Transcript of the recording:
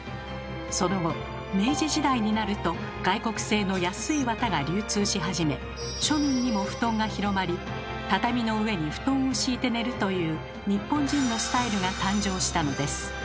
その後明治時代になると外国製の安いわたが流通し始め庶民にも布団が広まり畳の上に布団を敷いて寝るという日本人のスタイルが誕生したのです。